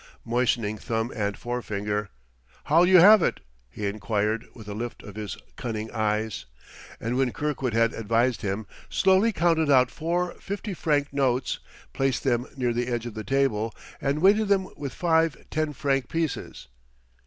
Moistening thumb and forefinger, "How'll you have it?" he inquired with a lift of his cunning eyes; and when Kirkwood had advised him, slowly counted out four fifty franc notes, placed them near the edge of the table, and weighted them with five ten franc pieces.